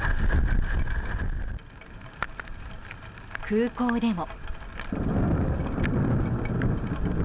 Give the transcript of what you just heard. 空港でも。